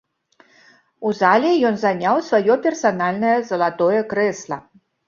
У зале ён заняў сваё персанальнае залатое крэсла.